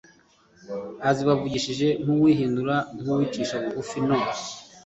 azibavukishije kwihindura nk uwicisha bugufi no